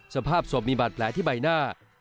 สภาพศพมีบาดแผลที่ใบหน้า